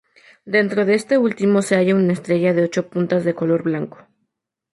Dentro de este último se halla una estrella de ocho puntas de color blanco.